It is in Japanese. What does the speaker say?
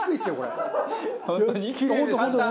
本当に？